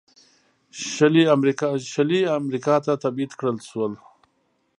شلي امریکا ته تبعید کړل شول.